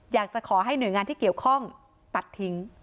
อยากจะขอให้หน่วยงานที่เกี่ยวข้องตัดทิ้ง